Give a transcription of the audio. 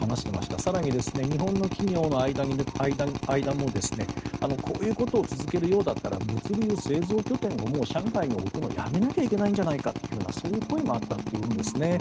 更に、日本の企業の間でもこういうことを続けるようだったら物流、製造拠点を上海に置くのをやめたほうがいいんじゃないかというそういう声もあったというんです。